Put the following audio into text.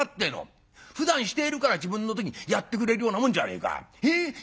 ふだんしているから自分の時にやってくれるようなもんじゃねえか。